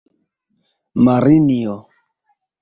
Marinjo!